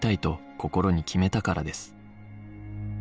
心に決めたからです